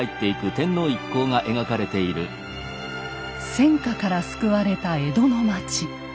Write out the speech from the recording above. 戦火から救われた江戸の町。